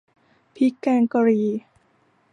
พริกแกงกะหรี่